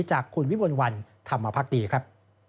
จากคุณวิมลวันธรรมภักดีครับ